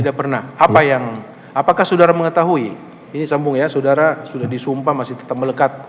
tidak pernah apa yang apakah saudara mengetahui ini sambung ya saudara sudah disumpah masih tetap melekat